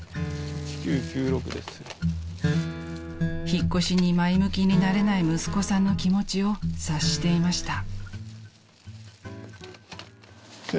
［引っ越しに前向きになれない息子さんの気持ちを察していました］